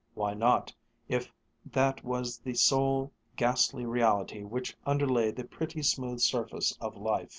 Why not, if that was the sole ghastly reality which underlay the pretty smooth surface of life?